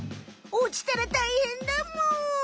おちたらたいへんだむ。